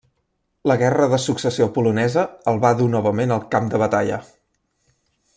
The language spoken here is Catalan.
La Guerra de Successió polonesa el va dur novament al camp de batalla.